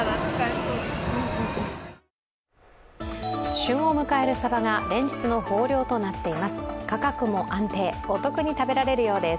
旬を迎えるさばが連日の豊漁となっています。